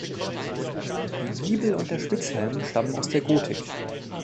Die Giebel und der Spitzhelm stammen aus der Gotik.